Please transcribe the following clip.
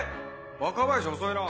若林遅いな。